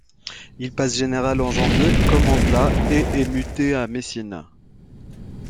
Il passe général en janvier, commande la et est muté à Messine.